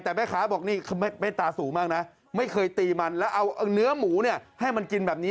แต่แม่ค้าบอกนี่เมตตาสูงมากนะไม่เคยตีมันแล้วเอาเนื้อหมูเนี่ยให้มันกินแบบนี้